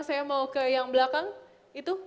saya mau ke yang belakang itu